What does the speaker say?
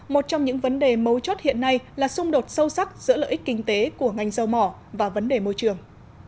một trong những vấn đề mấu chốt hiện nay là xung đột sâu sắc giữa lợi ích kinh tế của ngành dầu mỏ và vấn đề môi trường